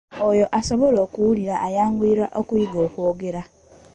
Oyo asobola okuwulira ayanguyirwa okuyiga okwogera.